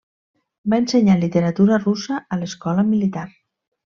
Va ensenyar literatura russa a l'Escola Militar.